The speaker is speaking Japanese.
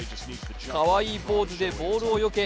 かわいいポーズでボールをよけ